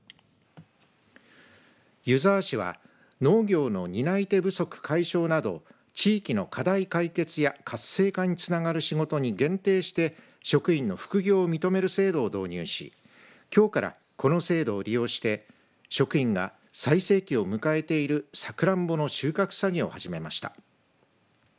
湯沢市は農業の担い手不足解消など地域の課題解決や活性化につながる仕事に限定して職員の副業を認める制度を導入しきょうからこの制度を利用して職員が最盛期を迎えているさくらんぼの収穫作業を始めました。